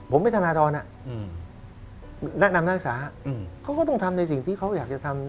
ผมเป็นธนาธรแนะนำนักศึกษาเขาก็ต้องทำในสิ่งที่เขาอยากจะทำ